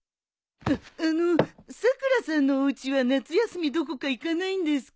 あっあのさくらさんのおうちは夏休みどこか行かないんですか？